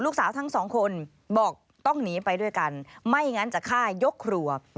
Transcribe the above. ทั้งสองคนบอกต้องหนีไปด้วยกันไม่งั้นจะฆ่ายกครัว